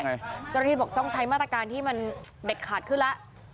เจ้าหน้าที่บอกต้องใช้มาตรการที่มันเด็ดขาดขึ้นแล้ว